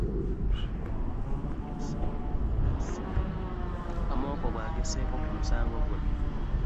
Amoko bw'agasseeko ku musango guno